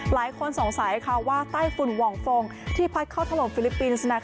หลายคนสงสัยค่ะว่าใต้ฝุ่นหว่องฟงที่พัดเข้าถล่มฟิลิปปินส์